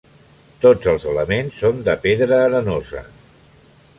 Tots els elements són de pedra arenosa.